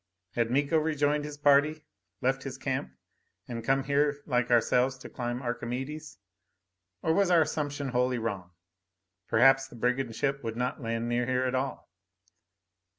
Had Miko rejoined his party, left his camp and come here like ourselves to climb Archimedes? Or was our assumption wholly wrong: perhaps the brigand ship would not land near here at all!